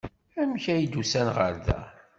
Amek ay d-usan ɣer da?